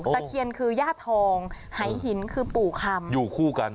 เคียนคือย่าทองหายหินคือปู่คำอยู่คู่กัน